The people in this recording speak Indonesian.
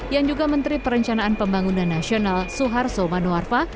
yang juga menteri perencanaan pembangunan nasional suharto manuarfa